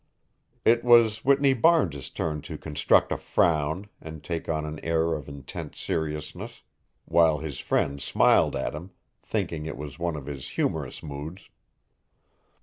It was Whitney Barnes's turn to construct a frown and take on an air of intense seriousness, while his friend smiled at him, thinking it was one of his humorous moods.